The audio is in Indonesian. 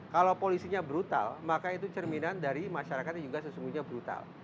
kalau polisinya brutal maka itu cerminan dari masyarakat yang juga sesungguhnya brutal